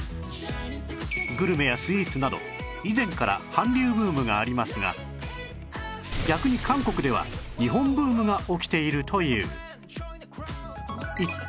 グルメやスイーツなど以前から韓流ブームがありますが逆に韓国では日本ブームが起きているという